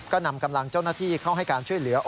ก็นำกำลังเจ้าหน้าที่เข้าให้การช่วยเหลือ